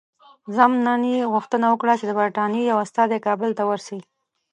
ضمناً یې غوښتنه وکړه چې د برټانیې یو استازی کابل ته ورسي.